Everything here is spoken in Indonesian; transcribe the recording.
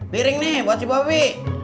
piring nih buat si bobby